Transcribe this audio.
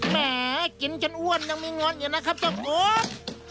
แหมกินจนอ้วนยังไม่งอนอย่างนั้นครับเจ้าโห๊บ